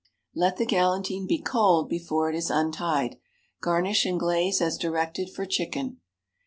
Let the galantine be cold before it is untied. Garnish and glaze as directed for chicken.